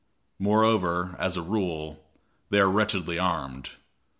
Moreover, as a rule, they are wretchedly armed.